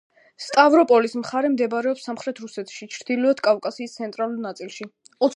სტავროპოლის მხარე მდებარეობს სამხრეთ რუსეთში ჩრდილოეთ კავკასიის ცენტრალურ ნაწილში.